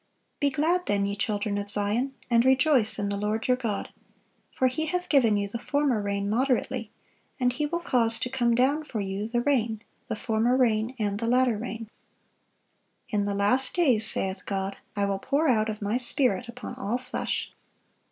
(1048) "Be glad then, ye children of Zion, and rejoice in the Lord your God: for He hath given you the former rain moderately, and He will cause to come down for you the rain, the former rain, and the latter rain."(1049) "In the last days, saith God, I will pour out of My Spirit upon all flesh."